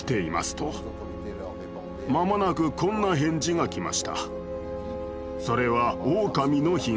間もなくこんな返事が来ました。